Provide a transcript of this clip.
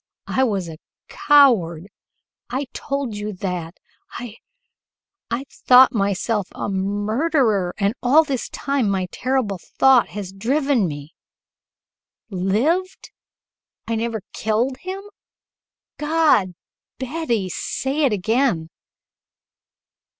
"I was a coward. I told you that. I I thought myself a murderer, and all this time my terrible thought has driven me Lived? I never killed him? God! Betty, say it again."